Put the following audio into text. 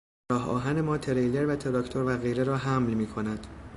راه آهن ما تریلر و تراکتور و غیره را حمل میکند.